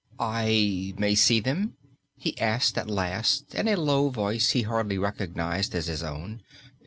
"I may see them?" he asked at last, in a low voice he hardly recognized as his own.